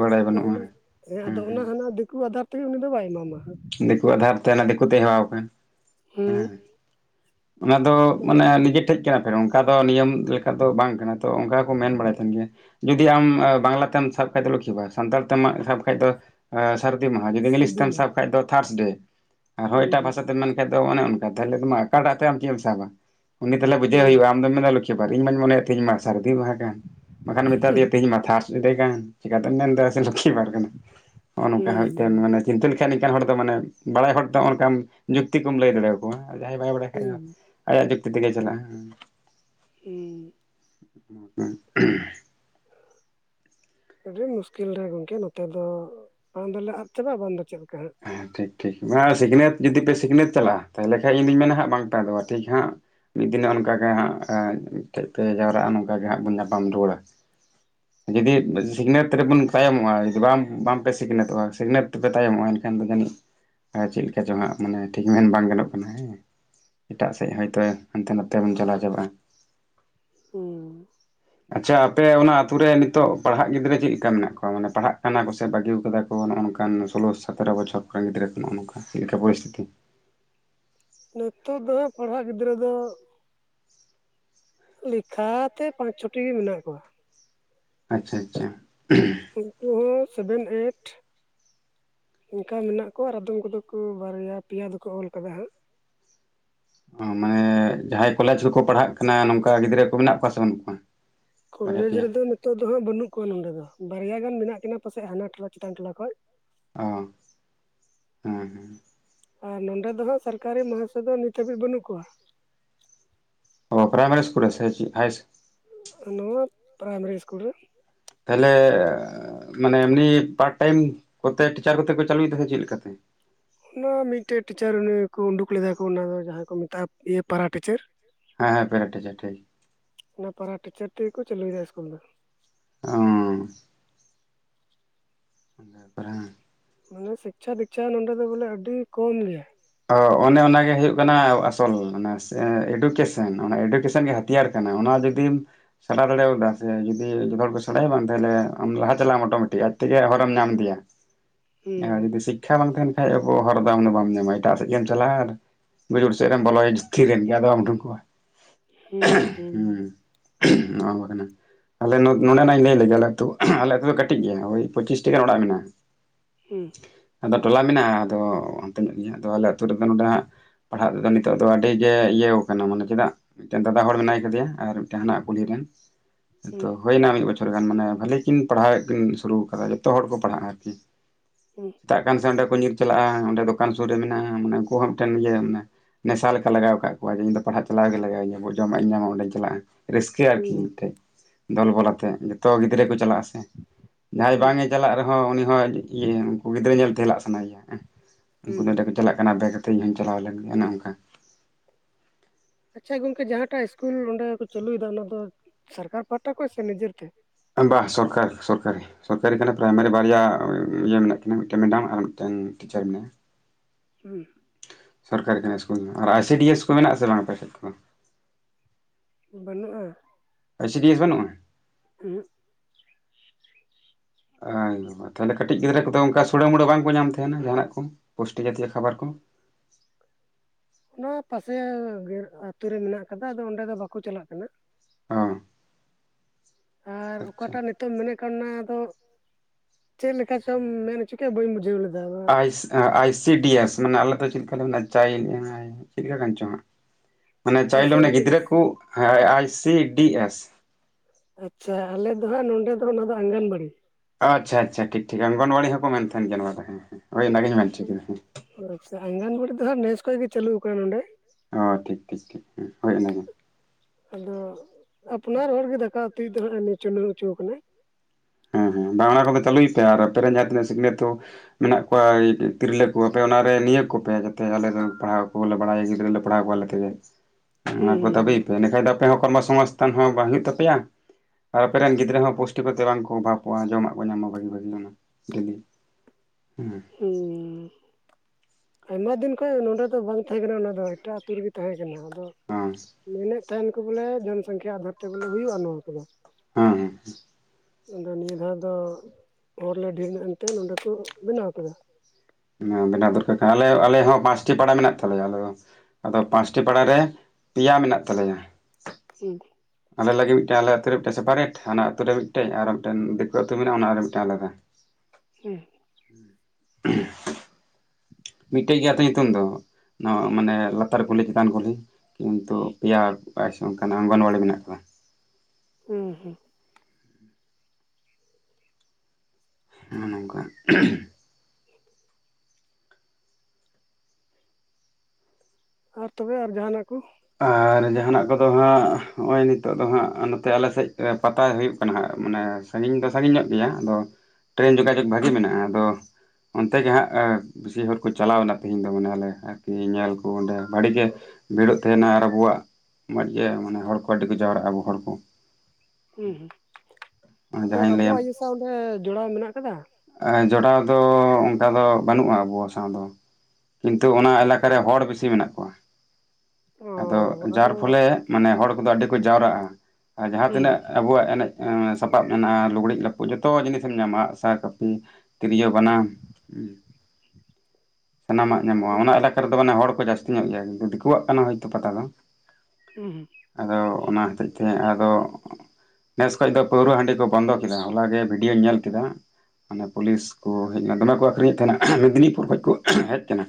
[SPEAKER 2] ᱵᱟᱲᱟᱭ
[SPEAKER 1] ᱟᱫᱚ
[SPEAKER 2] ᱵᱟᱹᱱᱩᱜᱼᱟ
[SPEAKER 1] ᱚᱱᱟ ᱦᱮᱸ ᱟᱫᱚ ᱚᱱᱟ ᱦᱟᱱᱟ ᱫᱤᱠᱩ ᱟᱫᱟᱨ ᱛᱮᱜᱮ ᱩᱱᱤ ᱫᱚ ᱵᱟᱭ ᱮᱢᱟᱢᱟ ᱦᱟᱸᱜ ᱾
[SPEAKER 2] ᱫᱤᱠᱩᱣᱟᱜ ᱟᱫᱷᱟᱨ ᱛᱮ ᱚᱱᱮ ᱫᱤᱠᱩ ᱛᱮ ᱦᱮᱣᱟᱣ ᱟᱠᱟᱱ,
[SPEAKER 1] ᱦᱩᱸ
[SPEAKER 2] ᱦᱮᱸ ᱾ ᱚᱱᱟ ᱫᱚ ᱢᱟᱱᱮ ᱱᱤᱡᱮ ᱴᱷᱮᱡ ᱠᱟᱱᱟ ᱯᱷᱮᱨᱚᱝ ᱠᱟ ᱫᱚ ᱱᱤᱭᱚᱢ ᱞᱮᱠᱟ ᱫᱚ ᱵᱟᱝ ᱠᱟᱱᱟ, ᱛᱚ ᱚᱝᱠᱟ ᱜᱮᱠᱚ ᱢᱮᱱ ᱵᱟᱲᱟᱭ ᱛᱟᱦᱮᱱ ᱜᱮᱭᱟ ᱾ ᱡᱩᱫᱤ ᱟᱢ ᱮ ᱵᱟᱝᱞᱟ ᱛᱮᱢ ᱥᱟᱵ ᱠᱷᱟᱡ ᱫᱚ ᱞᱚᱠᱠᱷᱤ ᱵᱟᱨ ᱥᱟᱱᱛᱟᱲ ᱛᱮᱢ ᱢᱟ ᱥᱟᱵ ᱠᱷᱟᱡ ᱫᱚ ᱮ ᱥᱟᱨᱫᱤ ᱢᱟᱦᱟ, ᱡᱩᱫᱤ ᱤᱝᱞᱤᱥ
[SPEAKER 1] ᱥᱟᱹᱨᱫᱤ
[SPEAKER 2] ᱛᱮᱢ
[SPEAKER 1] ᱢᱟᱦᱟ
[SPEAKER 2] ᱥᱟᱵ ᱠᱷᱟᱡ ᱫᱚ ᱛᱷᱟᱨᱥ ᱰᱮ, ᱟᱨᱦᱚᱸ ᱮᱴᱟᱜ
[SPEAKER 1] ᱦᱩᱸ
[SPEAKER 2] ᱵᱷᱟᱥᱟᱛᱮᱢ ᱢᱮᱱ ᱠᱷᱟᱡ ᱫᱚ ᱚᱱᱮ ᱚᱱᱠᱟ ᱛᱟᱞᱚᱦᱮ ᱟᱠᱟᱴᱟᱜ ᱛᱮ ᱟᱢ ᱪᱮᱫ ᱮᱢ ᱥᱟᱵᱟ? ᱩᱱᱤ ᱛᱟᱦᱚᱞᱮ ᱵᱩᱡᱷᱟᱹᱣ
[SPEAKER 1] ᱦᱩᱸ
[SPEAKER 2] ᱦᱩᱭᱩᱜᱼᱟ ᱟᱢ ᱫᱚᱢ ᱢᱮᱱᱫᱟ ᱞᱚᱠᱠᱷᱤ ᱵᱟᱨ, ᱤᱧ ᱢᱟᱧ ᱢᱚᱱᱮ ᱮᱫ ᱛᱟᱸᱦᱮᱫ ᱛᱮᱦᱮᱧ ᱢᱟ ᱥᱟᱹᱨᱫᱤ ᱢᱟᱦᱟ ᱠᱟᱱ, ᱵᱟᱠᱷᱟᱱ ᱢᱮᱛᱟ
[SPEAKER 1] ᱦᱩᱸ
[SPEAKER 2] ᱫᱮᱭᱟ ᱛᱤᱦᱮᱧ ᱢᱟ ᱛᱷᱟᱨᱥ ᱰᱮ ᱠᱟᱱ, ᱪᱤᱠᱟᱛᱮᱢ ᱢᱮᱱ ᱮᱫᱟ ᱥᱮ ᱞᱚᱠᱠᱷᱤ ᱯᱟᱨ ᱠᱟᱱᱟ, ᱦᱚᱜᱼᱚ ᱱᱚᱝᱠᱟ
[SPEAKER 1] ᱦᱩᱸ
[SPEAKER 2] ᱦᱚᱸ
[SPEAKER 1] ᱦᱩᱸ
[SPEAKER 2] ᱢᱤᱫᱴᱮᱱ ᱢᱟᱱᱮ ᱪᱤᱱᱛᱟᱹ ᱠᱷᱟᱱ ᱱᱤᱝᱠᱟᱱ ᱦᱚᱲ ᱫᱚ ᱢᱟᱱᱮ ᱵᱟᱲᱟᱭ ᱦᱚᱲ ᱫᱚ ᱦᱚᱜᱼᱚᱱᱠᱟᱢ ᱡᱩᱠᱛᱤ ᱠᱚᱢ ᱞᱟᱹᱭ ᱫᱟᱲᱮᱭᱟᱠᱚᱣᱟ ᱟᱨ ᱡᱟᱦᱟᱸᱭ ᱵᱟᱭ ᱵᱟᱲᱟᱭ ᱠᱷᱟᱡ ᱫᱚ
[SPEAKER 1] ᱦᱩᱸ ᱦᱩᱸ
[SPEAKER 2] ᱟᱭᱟᱜ ᱡᱩᱠᱛᱤ ᱛᱮᱜᱮᱭ ᱪᱟᱞᱟᱜᱼᱟ, ᱦᱮᱸ ᱾
[SPEAKER 1] ᱦᱮᱸ ᱾ ᱟᱹᱰᱤ ᱢᱩᱥᱠᱤᱞ ᱨᱮ ᱜᱚᱝᱠᱮ ᱱᱚᱛᱮ ᱫᱚ ᱵᱟᱝ ᱫᱚᱞᱮ ᱟᱫ ᱪᱟᱵᱟᱜᱼᱟ ᱵᱟᱝ ᱫᱚ ᱪᱮᱫ ᱞᱮᱠᱟ ᱦᱟᱸᱜ!
[SPEAKER 2] ᱦᱮᱸ ᱴᱷᱤᱠ ᱴᱷᱤᱠ, [unintelligible] ᱥᱤᱠᱷᱱᱟᱛ ᱡᱩᱫᱤ ᱯᱮ ᱥᱤᱠᱷᱱᱟᱹᱛ ᱪᱟᱞᱟᱜᱼᱟ, ᱛᱟᱦᱚᱞᱮ ᱠᱷᱟᱡ ᱤᱧ ᱫᱩᱧ ᱢᱮᱱᱟ ᱦᱟᱸᱜ ᱵᱟᱝ ᱯᱮ ᱟᱫᱚᱜᱼᱟ ᱴᱷᱤᱠ ᱦᱟᱸᱜ ᱢᱤᱫ ᱫᱤᱱᱚᱜ ᱚᱱᱠᱟᱜᱮ ᱦᱟᱸᱜ ᱮ ᱢᱤᱫ ᱴᱷᱮᱡ ᱯᱮ ᱡᱟᱣᱨᱟᱜᱼᱟ ᱱᱚᱝᱠᱟ ᱜᱮ ᱦᱟᱸᱜ ᱵᱚᱱ ᱧᱟᱯᱟᱢ ᱨᱩᱣᱟᱹᱲᱟ ᱾ ᱡᱩᱫᱤᱵ ᱥᱤᱠᱷᱱᱟᱹᱛ ᱨᱮᱵᱚᱱ ᱛᱟᱭᱚᱢᱚᱜᱼᱟ ᱡᱩᱫᱤ ᱵᱟᱢ ᱵᱟᱝᱯᱮ ᱥᱤᱠᱷᱱᱟᱹᱛᱚᱜᱼᱟ ᱥᱤᱠᱷᱱᱟᱹᱛ ᱛᱮᱯᱮ ᱛᱟᱭᱚᱢᱚᱜᱼᱟ ᱮᱱ ᱠᱷᱟᱱ ᱫᱚ ᱡᱟᱹᱱᱤᱡ ᱦᱮᱸ ᱪᱮᱫ ᱞᱮᱠᱟ ᱪᱚ ᱦᱟᱸᱜ ᱢᱟᱱᱮ ᱴᱷᱤᱠ ᱢᱮᱱ ᱵᱟᱝ ᱜᱟᱱᱚᱜ ᱠᱟᱱᱟ, ᱦᱮᱸ ᱾ ᱮᱴᱟᱜ ᱥᱮᱜ ᱦᱚᱭᱛᱳ ᱦᱟᱱᱛᱮ ᱱᱟᱛᱮ ᱵᱚᱱ ᱪᱟᱞᱟᱣ ᱪᱟᱵᱟᱜᱼᱟ ᱾
[SPEAKER 1] ᱦᱩᱸ ᱾
[SPEAKER 2] ᱟᱪᱪᱷᱟ ᱟᱯᱮ ᱚᱱᱟ ᱟᱛᱩ ᱨᱮ ᱱᱤᱛᱚᱜ ᱯᱟᱲᱦᱟᱜ ᱜᱤᱫᱽᱨᱟᱹ ᱪᱮᱫ ᱞᱮᱠᱟ ᱢᱮᱱᱟᱜ ᱠᱚᱣᱟ, ᱢᱟᱱᱮ ᱯᱟᱲᱦᱟᱜ ᱠᱟᱱᱟ ᱠᱚᱥᱮ ᱵᱟᱹᱜᱤᱣ ᱠᱟᱫᱟ ᱠᱚ ᱱᱚᱜᱼᱚ ᱱᱚᱝᱠᱟᱱ ᱥᱳᱞᱳ ᱥᱟᱛᱮᱨᱚ ᱵᱚᱪᱷᱚᱨ ᱠᱚᱨᱮᱱ ᱜᱤᱫᱽᱨᱟᱹ ᱠᱚ ᱱᱚᱜᱼᱚ ᱱᱚᱝᱠᱟ ᱪᱮᱫ ᱞᱮᱠᱟ ᱯᱚᱨᱤᱥᱛᱷᱤᱛᱤ?
[SPEAKER 1] ᱱᱤᱛᱚᱜ ᱫᱚ ᱦᱟᱜ ᱯᱟᱲᱦᱟᱜ ᱜᱤᱫᱽᱨᱟᱹ ᱫᱚ ᱞᱮᱠᱷᱟᱛᱮ ᱯᱟᱸᱪ ᱪᱷᱚᱴᱤ ᱜᱮ ᱢᱮᱱᱟᱜ ᱠᱚᱣᱟ ᱾
[SPEAKER 2] ᱟᱪᱪᱷᱟ, ᱟᱪᱪᱷᱟ ᱾
[SPEAKER 1] ᱩᱱᱠᱩ ᱦᱚᱸ ᱥᱮᱵᱮᱱ ᱮᱭᱤᱴ ᱚᱝᱠᱟ ᱢᱮᱱᱟᱜ ᱠᱚᱣᱟᱨ ᱟᱫᱚᱢ ᱠᱚᱫᱚ ᱠᱚ ᱵᱟᱨᱭᱟ, ᱯᱮᱭᱟ ᱫᱚᱠᱚ ᱚᱞ ᱠᱟᱫᱟ ᱦᱟᱸᱜ᱾
[SPEAKER 2] ᱚᱸ ᱢᱟᱱᱮ ᱡᱟᱦᱟᱸᱭ ᱠᱚᱞᱮᱡᱽ ᱨᱮᱠᱚ ᱯᱟᱲᱦᱟᱜ ᱠᱟᱱᱟ᱾ ᱱᱚᱝᱠᱟ ᱜᱤᱫᱽᱨᱟᱹ ᱠᱚ ᱢᱮᱱᱟᱜ ᱠᱚᱣᱟ ᱥᱮ ᱵᱟᱹᱱᱩᱜ ᱠᱚᱣᱟ? ᱵᱟᱨᱭᱟ
[SPEAKER 1] ᱠᱚᱞᱮᱡᱽ
[SPEAKER 2] ᱯᱮᱭᱟ
[SPEAKER 1] ᱨᱮᱫᱚ ᱱᱤᱛᱚᱜ ᱫᱚ ᱦᱟᱸᱜ ᱵᱟᱹᱱᱩᱜ ᱠᱚᱣᱟ᱾ ᱱᱚᱰᱮ ᱫᱚ ᱵᱟᱨᱭᱟ ᱜᱟᱱ ᱢᱮᱱᱟᱜ ᱠᱤᱱᱟ᱾ ᱯᱟᱥᱮᱜ ᱦᱟᱱᱟ ᱴᱚᱞᱟ, ᱪᱮᱛᱟᱱ ᱴᱚᱞᱟ ᱠᱷᱚᱡ!
[SPEAKER 2] ᱚᱸ᱾ ᱮᱸ, ᱦᱮᱸ᱾
[SPEAKER 1] ᱟ ᱱᱚᱰᱮ ᱫᱚ ᱦᱟᱸᱜ 'ᱥᱟᱨᱠᱟᱨᱤ ᱢᱟᱦᱟᱥᱩ' ᱫᱚ ᱱᱤᱛ ᱦᱟᱹᱵᱤᱡ ᱵᱟᱹᱱᱩᱜ ᱠᱚᱣᱟ᱾
[SPEAKER 2] ᱚ ᱯᱨᱟᱭᱢᱟᱨᱤᱥ ᱠᱩᱨᱮᱥᱮ ᱪᱮᱹ ᱦᱟᱭᱥ
[SPEAKER 1] ᱱᱚᱣᱟ 'ᱯᱨᱟᱭᱢᱟᱨᱤ ᱤᱥᱠᱩᱞ' ᱨᱮ᱾
[SPEAKER 2] ᱛᱟᱦᱞᱮ! ᱟ ᱢᱟᱱᱮ ᱮᱢᱱᱤ ᱯᱟᱴ ᱴᱟᱭᱤᱢ ᱠᱚᱛᱮ, ᱴᱤᱪᱟᱨ ᱠᱚᱛᱮ ᱠᱚ ᱪᱟᱞᱩᱭᱮᱫ ᱛᱟᱦᱮᱸᱫ ᱪᱮᱹᱜ ᱞᱮᱠᱟᱛᱮ?
[SPEAKER 1] ᱚᱱᱟ ᱢᱤᱜᱴᱮᱜ 'ᱴᱤᱪᱟᱨ' ᱩᱱᱤ ᱠᱚ, ᱩᱰᱩᱠ ᱞᱮᱫᱟ ᱠᱚ, ᱚᱱᱟ ᱫᱚ ᱡᱟᱦᱟᱸᱭ ᱠᱚ ᱢᱮᱛᱟᱜ ᱠᱚ ᱤᱭᱟᱹ 'ᱯᱟᱨᱟ ᱴᱤᱪᱟᱹᱨ'᱾
[SPEAKER 2] ᱮᱸ ᱵᱮᱹᱴ ᱡᱮᱹᱴᱷᱮᱹᱭ
[SPEAKER 1] ᱚᱱᱟ 'ᱯᱟᱨᱟ ᱴᱤᱪᱟᱛ' ᱛᱮᱜᱮᱠᱚ ᱪᱟᱹᱟᱞᱩᱭᱮᱫᱟ 'ᱥᱤᱥᱠᱩᱞ' ᱫᱚ᱾
[SPEAKER 2] ᱚᱸ᱾ ᱚᱸᱵᱮ ᱵᱨᱟᱝ᱾
[SPEAKER 1] ᱢᱟᱱᱮ ᱥᱤᱠᱪᱷᱟ-ᱫᱤᱠᱪᱷᱟ ᱱᱚᱰᱮ ᱫᱚ ᱵᱚᱞᱮ ᱟᱹᱰᱤ ᱠᱚᱢ ᱜᱮᱭᱟ!
[SPEAKER 2] ᱚ ᱚᱱᱮ ᱚᱱᱟᱜᱮ ᱦᱩᱭᱩᱜ ᱠᱟᱱᱟ, ᱟᱥᱚᱞ ᱢᱟᱱᱮ ᱥᱮ 'ᱮᱰᱩᱠᱮᱥᱮᱱ', ᱚᱱᱮ 'ᱮᱰᱩᱠᱮᱥᱮᱱ' ᱜᱮ ᱦᱟ- -ᱛᱤᱭᱟᱨ ᱠᱟᱱᱟ ᱚᱱᱟ ᱡᱩᱚᱫᱤᱢ ᱥᱮᱲᱟ ᱫᱟᱲᱮ ᱜᱚᱫᱟ ᱥᱮ ᱡᱩᱫᱤ ᱡᱚᱫᱚ ᱦᱚᱲ ᱠᱚ ᱥᱮᱬᱟᱭᱟ ᱵᱟᱝ, ᱛᱟᱦᱞᱮ ᱟᱢ ᱞᱟᱦᱟ ᱪᱟᱞᱟᱜ ᱟᱢ ᱚᱴᱳᱢᱮᱴᱤ ᱟᱡ ᱛᱮᱜᱮ ᱦᱚᱨᱮᱢ ᱧᱟᱢ ᱫᱤᱭᱟ᱾ ᱟ
[SPEAKER 1] ᱦᱩᱸ
[SPEAKER 2] ᱡᱩᱫᱤ 'ᱥᱤᱠᱠᱷᱟ' ᱵᱟᱝ ᱛᱟᱦᱮᱱ ᱠᱷᱟᱡ ᱟᱵᱚ ᱦᱚᱨ ᱫᱚ ᱟᱢ ᱫᱚ ᱵᱟᱢ ᱧᱟᱢᱟᱭ! ᱴᱟᱜ ᱥᱮᱡ ᱜᱮᱢ ᱪᱟᱞᱟᱜᱼᱟ ᱟᱨ ᱵᱩᱡᱩᱲ ᱥᱮᱡ ᱨᱮᱢ ᱵᱚᱞᱚ [inaudible] ᱛᱷᱤᱨᱮᱱ ᱜᱮ ᱟᱫᱚ ᱣᱟᱢ ᱰᱷᱩᱝ ᱠᱚᱜᱼᱟ᱾ ᱦᱩᱸ ᱚᱦᱚᱵᱟ ᱠᱟᱱᱟ᱾ ᱟᱞᱮ ᱱᱚ ᱱᱚᱰᱮᱱᱟᱜ ᱤᱧ ᱞᱟᱹᱭ ᱞᱮᱜᱮ ᱟᱞᱮ ᱟᱛᱩ, ᱟᱞᱮ ᱟᱛᱩ ᱫᱚ ᱠᱟᱹᱴᱤᱡ ᱜᱮᱭᱟ᱾ ᱳᱭ ᱯᱚᱸᱪᱤᱥ ᱴᱤ ᱜᱟᱱ ᱚᱲᱟᱜ ᱢᱮᱱᱟᱜᱼᱟ᱾
[SPEAKER 1] ᱦᱩᱸ᱾
[SPEAKER 2] ᱟᱫᱚ ᱴᱚᱞᱟ ᱢᱮᱱᱟᱜᱼᱟ, ᱟᱫᱚ ᱦᱚᱱᱛᱮ ᱧᱚᱜ ᱜᱮᱭᱟ᱾ ᱟᱫᱚ ᱟᱞᱮ ᱟᱛᱩ ᱨᱮᱫᱚ ᱱᱚᱰᱮ ᱶᱟᱜ ᱯᱟᱲᱦᱟᱜ ᱛᱮᱫᱚ ᱱᱤᱛᱚᱜ ᱫᱚ ᱟᱹᱰᱤ ᱜᱮ ᱤᱭᱟᱹᱣ ᱠᱟᱱᱟ, ᱢᱟᱱᱮ ᱪᱮᱫᱟᱜ! ᱢᱤᱜᱴᱮᱱ ᱫᱟᱫᱟ ᱦᱚᱲ ᱢᱮᱱᱟᱭ ᱠᱟᱫᱮᱭᱟ ᱟᱨ ᱢᱤᱜᱴᱮᱱ ᱦᱟᱱᱟᱜ ᱠᱩᱞᱦᱤ ᱨᱮᱱ, ᱛᱚ
[SPEAKER 1] ᱦᱩᱸ
[SPEAKER 2] ᱦᱩᱭᱱᱟ ᱢᱤᱜ ᱵᱚᱪᱷᱚᱨ ᱜᱟᱱ ᱢᱟᱱᱮ ᱵᱷᱟᱹᱞᱤ ᱠᱤᱱ, ᱯᱟᱲᱦᱟᱣᱮᱜ ᱠᱤᱱ ᱥᱩᱨᱩ ᱠᱟᱫᱟ, ᱡᱚᱛᱚ ᱦᱚᱲ ᱠᱚ ᱯᱟᱲᱦᱟᱜᱼᱟ, ᱟᱨᱠᱤ᱾
[SPEAKER 1] ᱦᱩᱸ᱾
[SPEAKER 2] ᱛᱟᱜ ᱠᱟᱱ ᱥᱮ ᱚᱸᱰᱮ ᱠᱚ ᱧᱤᱨ ᱪᱟᱞᱟᱜᱼᱟᱸ᱾ ᱚᱸᱰᱮ ᱫᱚᱠᱟᱱ ᱥᱩᱨ ᱨᱮ ᱢᱮᱱᱟᱜᱼᱟ, ᱢᱟᱱᱮ ᱩᱝᱠᱩ ᱦᱚ ᱢᱤᱜᱴᱮᱱ ᱤᱭᱟᱹ ᱢᱟᱱᱮ ᱱᱮᱥᱟ ᱞᱮᱠᱟ ᱞᱟᱜᱟᱣ ᱠᱟᱜ ᱠᱚᱣᱟ, ᱡᱮ ᱤᱧ ᱯᱟᱲᱦᱟᱜ ᱪᱟᱞᱟᱣ ᱜᱮ ᱞᱟᱜᱟᱣᱤᱧᱟᱹ ᱵᱳᱜ ᱡᱚᱢᱟᱜᱼᱤᱧ ᱧᱟᱢᱟ, ᱚᱸᱰᱮᱹᱧ ᱪᱟᱞᱟᱜᱼᱟ᱾ ᱨᱟᱹᱥᱠᱟᱹ ᱟᱨᱠᱤ
[SPEAKER 1] ᱦᱩᱸ ᱦᱩᱸ
[SPEAKER 2] ᱢᱤᱜᱴᱮᱡ ᱫᱚᱞ-ᱵᱚᱞᱟᱛᱮᱦ ᱡᱚᱛᱚ ᱜᱤᱫᱽᱨᱟᱹ ᱠᱚ ᱪᱟᱞᱟᱜᱼᱟᱥ ᱮᱸᱦ ᱡᱟᱦᱟᱸᱭ
[SPEAKER 1] ᱦᱩᱸ
[SPEAKER 2] ᱵᱟᱝᱮ ᱪᱟᱞᱟᱜ ᱨᱮᱦᱚᱸ, ᱩᱱᱤ ᱦᱚᱸ ᱤᱨᱮ ᱩᱝᱠᱩ ᱜᱤᱫᱽᱨᱟᱹ ᱧᱮᱞᱛᱮ ᱦᱮᱞᱟᱜ ᱥᱟᱱᱟᱭᱭᱟ, ᱮᱸᱦ᱾ ᱩᱝᱠᱩ
[SPEAKER 1] ᱦᱩᱸ
[SPEAKER 2] ᱱᱮᱰᱮ ᱠᱚ ᱪᱟᱞᱟᱜ ᱠᱟᱱᱟ ᱵᱮᱜᱟᱛᱮᱹ, ᱤᱧ ᱦᱚᱹᱧ ᱪᱟᱞᱟᱣ ᱞᱮᱱ ᱜᱮ ᱚᱱᱮ ᱚᱝᱠᱟ᱾
[SPEAKER 1] ᱟᱪᱪᱷᱟ ᱜᱚᱝᱠᱮ, ᱡᱟᱦᱟᱸᱴᱟᱜ 'ᱤᱥᱠᱩᱞ' ᱚᱸᱰᱮ ᱠᱚ ᱪᱟᱹᱞᱩᱭᱮᱫᱟ, ᱚᱱᱟ ᱫᱚ 'ᱥᱟᱨᱠᱟᱨ' ᱯᱟᱦᱴᱟ ᱠᱷᱚᱡ ᱥᱮ ᱱᱤᱡᱮᱨ ᱛᱮ?
[SPEAKER 2] ᱵᱟᱦ 'ᱥᱚᱨᱠᱟᱨ', 'ᱥᱚᱨᱠᱟᱨᱤᱦ'᱾ 'ᱥᱚᱨᱠᱟᱨᱤ' ᱠᱟᱱᱟ 'ᱯᱨᱟᱭᱢᱟᱨᱤ' ᱵᱟᱨᱭᱟ ᱩᱸ ᱤᱭᱟᱹ ᱢᱮᱱᱟᱜ ᱠᱤᱱᱟᱹ ᱢᱤᱜᱴᱮᱱ ᱢᱮᱰᱟᱢ ᱟᱨ ᱢᱮᱜᱴᱮᱱ ᱴᱤᱪᱟᱨ ᱢᱮᱱᱟᱭᱟ᱾
[SPEAKER 1] ᱩᱸ᱾
[SPEAKER 2] 'ᱥᱚᱨᱠᱟᱨᱤ' ᱠᱟᱱᱟ 'ᱤᱥᱠᱩᱞ' ᱫᱚ ᱟᱨ 'ᱟᱭᱥᱤ ᱰᱤᱭᱮᱥ' ᱠᱚ ᱢᱮᱱᱟᱜ ᱟᱥᱮ ᱵᱟᱝ ᱟᱯᱮ ᱥᱮᱡ ᱠᱚ?
[SPEAKER 1] ᱵᱟᱹᱱᱩᱜᱼᱟ᱾
[SPEAKER 2] 'ᱟᱭᱥᱤ ᱰᱤᱭᱮᱥ' ᱵᱟᱹᱱᱩᱜᱼᱟ!
[SPEAKER 1] ᱩᱸᱦᱩᱸᱜ᱾
[SPEAKER 2] ᱟᱭ ᱵᱟᱵᱟ ᱛᱟᱦᱞᱮ ᱠᱟᱹᱴᱤᱡ ᱜᱤᱫᱽᱨᱟᱹ ᱠᱚᱫᱚ ᱚᱝᱠᱟ ᱥᱩᱲᱮ-ᱢᱩᱲᱮ ᱵᱟᱝᱠᱚ ᱧᱟᱢ ᱛᱷᱮᱱᱟ, ᱡᱟᱦᱟᱱᱟᱜ ᱠᱚ, ᱯᱩᱥᱴᱤ ᱡᱟᱛᱤᱭᱚ ᱠᱷᱟᱵᱟᱨ ᱠᱚᱸ?
[SPEAKER 1] ᱱᱚᱣᱟ ᱯᱟᱥᱮ ᱜᱮ ᱟᱹᱛᱩ ᱨᱮ ᱢᱮᱱᱟᱜ ᱟᱠᱟᱫᱟ᱾ ᱟᱫᱚ ᱚᱸᱰᱮ ᱫᱚ ᱵᱟᱠᱚ ᱪᱟᱞᱟᱜ ᱠᱟᱱᱟ᱾
[SPEAKER 2] ᱦᱚᱸ᱾
[SPEAKER 1] ᱟᱨ ᱚᱠᱟᱴᱟᱜ ᱱᱤᱛᱳ ᱢᱮᱱᱟᱜ ᱚᱱᱟ ᱫᱚ ᱪᱮᱫ ᱞᱮᱠᱟ ᱪᱚᱢ ᱢᱮᱱ ᱦᱚᱪᱚ ᱠᱮᱜ ᱵᱟᱹᱧ ᱵᱩᱡᱷᱟᱹᱣ ᱞᱮᱫᱟ?
[SPEAKER 2] ᱟᱭ ᱥᱤ ᱰᱤ ᱮᱥ, ᱢᱟᱱᱮ ᱟᱞᱮ ᱫᱚ ᱪᱮᱫ ᱞᱮᱠᱟᱞᱮ ᱢᱮᱱᱟᱜ ᱪᱮᱫ ᱞᱮᱠᱟ ᱪᱚᱝᱼᱟ? ᱢᱟᱱᱮ
[SPEAKER 1] ᱟᱭ
[SPEAKER 2] ᱪᱟᱭᱞᱮ
[SPEAKER 1] ᱥᱮ
[SPEAKER 2] ᱢᱟᱱᱮ ᱜᱤᱫᱽᱨᱟᱹ
[SPEAKER 1] ᱵᱮᱥ
[SPEAKER 2] ᱠᱚ ᱟᱭ ᱥᱤ ᱰᱤ ᱮᱥ
[SPEAKER 1] ᱟᱪᱪᱷᱟ, ᱟᱞᱮ ᱫᱚ ᱦᱟᱸᱜ ᱱᱚᱰᱮ ᱫᱚ ᱚᱱᱟ ᱫᱚ ᱟᱸᱜᱚᱱ ᱵᱟᱲᱤ᱾
[SPEAKER 2] ᱟᱪᱪᱷᱟ ᱟᱪᱪᱷᱟ ᱴᱷᱤᱠ ᱴᱤᱠ ᱚᱝᱜᱚᱱᱣᱟᱲᱤ ᱦᱚᱸᱠᱚ ᱢᱮᱱ ᱛᱟᱦᱮᱱ ᱜᱮᱭᱟ᱾ ᱱᱚᱣᱟ ᱦᱮᱸ ᱳ ᱚᱱᱟᱜᱤᱧ ᱢᱮᱱ ᱴᱷᱤᱠ ᱠᱮᱫᱼᱟ᱾
[SPEAKER 1] ᱟᱜᱮᱱᱵᱟᱲᱤ ᱫᱚ ᱦᱟᱸ ᱱᱮᱥ ᱠᱷᱚᱱ ᱜᱮ ᱪᱟᱹᱞᱩ ᱟᱠᱟᱱᱟ ᱱᱚᱸᱰᱮ᱾
[SPEAKER 2] ᱚ ᱴᱷᱤᱠ ᱴᱷᱤᱠ ᱴᱷᱤᱠ ᱦᱟᱹᱭ ᱚᱱᱟ ᱜᱮ᱾
[SPEAKER 1] ᱟᱫᱚ ᱟᱯᱱᱟᱨ ᱦᱚᱲ ᱜᱮ ᱫᱟᱠᱟ ᱩᱛᱩᱭ ᱫᱚ ᱦᱟᱜ ᱮ ᱱ ᱪᱚᱱᱚ ᱦᱚᱪᱚ ᱟᱠᱟᱱᱟ᱾
[SPEAKER 2] ᱦᱮᱸ ᱦᱮᱸ ᱵᱟᱝ ᱚᱱᱟ ᱠᱚᱫᱚ ᱪᱟᱹᱞᱩᱭ ᱯᱮ ᱟᱨ ᱟᱯᱮ ᱨᱮᱱ ᱡᱟᱦᱟᱸ ᱛᱤᱱᱟᱹᱜ ᱥᱤᱠᱷᱱᱟᱛᱚ᱾ ᱢᱮᱱᱟᱜ ᱠᱚᱣᱟ ᱛᱤᱨᱞᱟᱹ ᱠᱚ ᱟᱯᱮ ᱚᱱᱟᱨᱮ ᱱᱤᱭᱟᱹᱠ ᱠᱚᱯᱮ ᱡᱟᱛᱮ ᱟᱞᱮ ᱫᱚ ᱯᱟᱲᱦᱟᱣ ᱠᱚ ᱵᱚᱞᱮ ᱵᱟᱲᱟᱭᱟ ᱜᱤᱫᱽᱨᱟᱹ ᱞᱮᱯᱮ ᱯᱟᱲᱦᱟᱣᱜ ᱠᱚ ᱟᱞᱮ ᱛᱮᱜᱮ᱾
[SPEAKER 1] [unintelligible]
[SPEAKER 2] ᱚᱱᱟ ᱠᱚ
[SPEAKER 1] ᱦᱩᱸ
[SPEAKER 2] ᱫᱟᱵᱤᱭ ᱯᱮ, ᱮᱱᱟᱹ ᱠᱷᱟᱱ ᱫᱚ ᱟᱯᱮ ᱦᱚᱸ ᱠᱚᱨᱢᱚ ᱥᱚᱝᱥᱛᱟᱱ ᱦᱚᱸ ᱵᱟᱝ ᱦᱩᱭᱩᱜ ᱛᱟᱯᱮᱭᱟ ᱟᱨ ᱟᱯᱮᱨᱮᱱ ᱜᱤᱫᱽᱨᱟᱹ ᱦᱚᱸ ᱯᱩᱥᱴᱤ ᱠᱚᱛᱮ ᱵᱟᱝ ᱠᱚ ᱠᱚ ᱚᱵᱷᱟᱵᱚᱜᱼᱟ᱾ ᱡᱚᱢᱟᱜ ᱠᱚ ᱧᱟᱢᱟ ᱵᱷᱟᱹᱜᱤ, ᱵᱷᱟᱹᱜᱤ ᱚᱱᱟ ᱰᱮᱞᱤ, ᱦᱮᱸ᱾
[SPEAKER 1] ᱦᱩᱸᱻ᱾ ᱟᱭᱢᱟ ᱫᱤᱱ ᱠᱷᱚᱱᱟᱜ ᱱᱚᱰᱮ ᱫᱚ ᱵᱟᱝ ᱛᱟᱦᱮᱸ ᱠᱟᱱᱟ᱾ ᱚᱱᱟ ᱫᱚ ᱮᱴᱟᱜ ᱟᱹᱛᱳ ᱨᱮᱜᱮ ᱛᱟᱦᱮᱸ ᱠᱟᱱᱟ᱾ ᱟᱫᱚ
[SPEAKER 2] ᱦᱚᱸ᱾
[SPEAKER 1] ᱢᱮᱱᱮᱫ ᱛᱟᱦᱮᱱ ᱠᱚ ᱵᱚᱞᱮ ᱡᱚᱱ ᱥᱚᱝᱠᱷᱟ ᱟᱫᱷᱟᱨ ᱛᱮ ᱵᱚᱞᱮ ᱦᱩᱭᱩᱜᱼᱟ, ᱱᱚᱣᱟ ᱠᱚᱫᱚ
[SPEAKER 2] ᱦᱮᱸ ᱦᱮᱸ
[SPEAKER 1] ᱟᱫᱚ ᱱᱤᱭᱟᱹ ᱫᱷᱟᱣ ᱫᱚ ᱦᱚᱲ ᱞᱮ ᱰᱷᱮᱨ ᱮᱱᱛᱮ ᱱᱚᱸᱰᱮ ᱠᱚ ᱵᱮᱱᱟᱣ ᱠᱮᱫᱟ᱾
[SPEAKER 2] ᱵᱮᱱᱟᱣ ᱫᱚᱨᱠᱟᱨ ᱠᱟᱱᱟ᱾ ᱟᱞᱮ ᱟᱞᱮ ᱦᱚᱸ ᱯᱟᱸᱪᱴᱤ ᱯᱟᱲᱟ ᱢᱮᱱᱟᱜ ᱛᱟᱞᱮᱭᱟ᱾ ᱟᱞᱮ ᱫᱚ ᱟᱫᱚ ᱯᱟᱸᱪᱴᱤ ᱯᱟᱲᱟ ᱨᱮ ᱯᱮᱭᱟ ᱢᱮᱱᱟᱜ ᱛᱟᱞᱮᱭᱟ᱾
[SPEAKER 1] ᱦᱮᱸ᱾
[SPEAKER 2] ᱟᱞᱮ ᱞᱟᱹᱜᱤᱫ ᱢᱤᱫᱴᱮᱱ ᱟᱞᱮ ᱟᱹᱛᱩ ᱨᱮ ᱢᱤᱫᱴᱮᱱ ᱥᱮᱯᱟᱨᱮᱴ ᱚᱱᱟ ᱟᱹᱛᱩ ᱨᱮ ᱢᱤᱫᱴᱮᱡ ᱟᱨᱚ ᱢᱤᱫᱴᱮᱱ ᱫᱤᱠᱩ ᱟᱹᱛᱩ ᱢᱮᱱᱟᱜᱼᱟ᱾ ᱚᱱᱟ ᱟᱨ ᱢᱤᱫᱴᱮᱱ ᱟᱞᱟᱫᱟ᱾
[SPEAKER 1] ᱦᱩᱸ᱾
[SPEAKER 2] [inaudible] ᱢᱤᱫᱴᱮᱡ ᱜᱮᱭᱟ ᱟᱹᱛᱩ ᱧᱩᱛᱩᱢ ᱫᱚ, ᱱᱚᱣᱟ ᱢᱟᱱᱮ ᱞᱟᱛᱟᱨ ᱠᱩᱞᱦᱤ ᱪᱮᱛᱟᱱ ᱠᱩᱞᱦᱤ ᱠᱤᱱᱛᱩ ᱯᱮᱭᱟ ᱵᱟᱭ ᱚᱱᱠᱟᱱᱟᱜ ᱚᱝᱜᱚᱱᱣᱟᱲᱤ ᱢᱮᱱᱟᱜ ᱟᱠᱟᱫᱟ᱾
[SPEAKER 1] ᱦᱩᱸ ᱦᱩᱸ᱾
[SPEAKER 2] ᱱᱚᱜᱼᱚᱭ ᱱᱚᱝᱠᱟ᱾
[SPEAKER 1] ᱟᱨ ᱛᱚᱵᱮ ᱟᱨ ᱡᱟᱦᱟᱸᱱᱟᱜ ᱠᱚ?
[SPEAKER 2] ᱟᱨ ᱡᱟᱦᱟᱱᱟᱜ ᱠᱚᱫᱚ ᱦᱟᱸᱜ ᱱᱚᱜᱼᱚᱭ ᱱᱤᱛᱚᱜ ᱫᱚ ᱦᱟᱸᱜ ᱱᱚᱛᱮ ᱟᱞᱮᱥᱮᱫ ᱯᱟᱛᱟ ᱦᱩᱭᱩᱜ ᱠᱟᱱᱟ ᱦᱟᱸᱜ᱾ ᱢᱟᱱᱮ ᱥᱟᱺᱜᱤᱧ ᱫᱚ ᱥᱟᱺᱜᱤᱧ ᱧᱚᱜ ᱜᱮᱭᱟ, ᱟᱫᱚ ᱴᱨᱮᱱ ᱡᱳᱜᱟᱡᱳᱜᱽ ᱵᱷᱟᱹᱜᱮ ᱢᱮᱱᱟᱜᱼᱟ᱾ ᱟᱫᱚ ᱚᱱᱛᱮ ᱜᱮ ᱦᱟᱸᱜ ᱵᱤᱥᱤ ᱦᱚᱲ ᱠᱚ ᱪᱟᱞᱟᱣᱱᱟ ᱛᱤᱦᱤᱧ ᱫᱚ ᱢᱟᱱᱮ ᱟᱞᱮ ᱟᱹᱨᱠᱤ, ᱧᱮᱞ ᱠᱚ ᱚᱸᱰᱮ ᱟᱹᱰᱤ ᱜᱮ ᱵᱷᱤᱲᱚᱜ ᱛᱟᱦᱮᱱᱟ ᱟᱨ ᱟᱵᱚᱣᱟᱜ ᱢᱚᱡᱽ ᱜᱮ ᱢᱟᱱᱮ ᱦᱚᱲ ᱠᱚ ᱟᱹᱰᱤ ᱠᱚ ᱡᱟᱣᱨᱟᱜᱼᱟ᱾ ᱟᱵᱚ ᱦᱚᱲ ᱠᱚ᱾
[SPEAKER 1] ᱩᱸ ᱻᱦᱩᱸ, ᱟᱫᱚ
[SPEAKER 2] ᱡᱟᱦᱟᱸᱧ ᱞᱟᱹᱭᱟ
[SPEAKER 1] ᱟᱵᱩᱣᱟᱜ ᱤᱭᱟᱹ ᱥᱟᱶ ᱚᱸᱰᱮ ᱡᱚᱲᱟᱣ ᱢᱮᱱᱟᱜ ᱟᱠᱟᱫᱟ?
[SPEAKER 2] ᱡᱚᱲᱟᱣ ᱫᱚ ᱚᱱᱠᱟ ᱫᱚ ᱵᱟᱱᱩᱜᱼᱟ᱾ ᱟᱵᱩᱣᱟᱜ ᱥᱟᱶ ᱫᱚ᱾ ᱠᱤᱱᱛᱩ ᱚᱱᱟ ᱮᱞᱟᱠᱟ ᱨᱮ ᱦᱚᱲ ᱵᱮᱥᱤ ᱢᱮᱱᱟᱜ ᱠᱚᱣᱟ᱿
[SPEAKER 1] ᱚ
[SPEAKER 2] ᱟᱫᱚ ᱡᱟᱨ ᱯᱷᱚᱞᱮ ᱢᱟᱱᱮ ᱦᱚᱲ ᱠᱚ ᱫᱚ ᱟᱹᱰᱤ ᱠᱚ ᱡᱟᱣᱨᱟᱜᱼᱟ ᱟᱨ ᱡᱟᱦᱟᱸ
[SPEAKER 1] ᱦᱩᱸ
[SPEAKER 2] ᱛᱤᱱᱟᱹᱜ ᱟᱵᱩ ᱟᱜ ᱮᱱᱮᱡ ᱥᱟᱯᱟᱯ ᱢᱮᱱᱟᱜᱼᱟ, ᱞᱩᱜᱽᱲᱤᱡ ᱞᱟᱯᱚ ᱡᱚᱛᱚ ᱡᱤᱱᱤᱥ ᱮᱢ ᱧᱟᱢᱟ ᱟᱜ ᱥᱟᱨ, ᱠᱟᱹᱯᱤ ᱛᱤᱨᱭᱳ ᱵᱟᱱᱟᱢ ᱥᱟᱱᱟᱢᱟᱜ ᱧᱟᱢᱚᱜᱼᱟ᱾
[SPEAKER 1] ᱟᱫᱚ
[SPEAKER 2] ᱚᱱᱟᱠᱟ ᱫᱚ ᱢᱟᱱᱮ ᱦᱚᱲ ᱠᱚ ᱡᱟᱹᱥᱛᱤ ᱧᱚᱜ ᱜᱮᱭᱟ᱾ ᱠᱤᱱᱛᱩ ᱫᱤᱠᱩᱣᱟᱜ ᱠᱟᱱᱟ ᱦᱳᱭᱛᱳ ᱯᱟᱛᱟ ᱫᱚ
[SPEAKER 1] ᱩᱸ ᱦᱩᱸ
[SPEAKER 2] ᱟᱫᱚ ᱚᱱᱟ ᱦᱚᱛᱮᱫ ᱛᱮ ᱟᱫᱚ ᱱᱮᱥ ᱠᱷᱚᱱ ᱫᱚ ᱯᱟᱹᱣᱨᱟᱹ ᱦᱟᱺᱰᱤ ᱠᱚ ᱵᱚᱱᱫᱚ ᱠᱮᱫᱟ ᱦᱚᱞᱟ ᱜᱮ ᱵᱷᱤᱰᱭᱳᱧ ᱧᱮᱞ ᱠᱮᱫᱟ᱾ ᱢᱟᱱᱮ ᱯᱩᱞᱤᱥ ᱠᱚ ᱦᱮᱡ ᱞᱮᱱᱟ ᱫᱚᱢᱮ ᱠᱚ ᱟᱹᱠᱷᱨᱤᱧᱮᱫ ᱛᱟᱦᱮᱱᱟ ᱢᱮᱫᱽᱱᱤᱯᱩᱨ ᱠᱷᱳᱪ ᱠᱚ ᱦᱮᱡ ᱟᱠᱟᱱᱟ᱾